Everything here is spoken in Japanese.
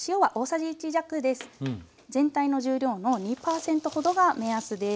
全体の重量の２％ほどが目安です。